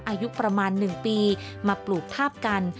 อายุประมาณ๑ปีมาปลูกทาบกัน